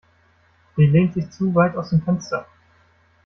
Sie lehnt sich zu weit aus dem Fenster.